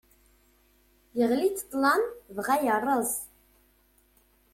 Yeɣli-d ṭṭlam dɣa yerreẓ.